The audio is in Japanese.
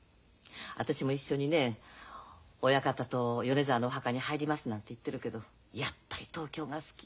私も一緒にね親方と米沢のお墓に入りますなんて言ってるけどやっぱり東京が好き。